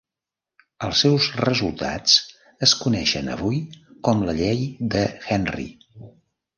Els seus resultats es coneixen avui com la llei de Henry.